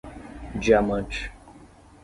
Diamante